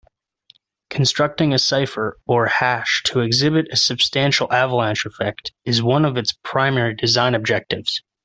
Constructing a cipher or hash to exhibit a substantial avalanche effect is one of its primary design objectives.